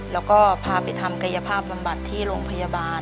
แล้วก็พาไปทำกายภาพบำบัดที่โรงพยาบาล